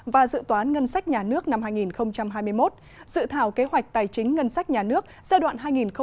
và dự toán ngân sách nhà nước năm hai nghìn hai mươi một dự thảo kế hoạch tài chính ngân sách nhà nước giai đoạn hai nghìn hai mươi một hai nghìn hai mươi năm